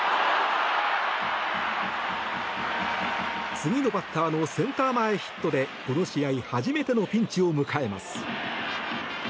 次のバッターのセンター前ヒットでこの試合、初めてのピンチを迎えます。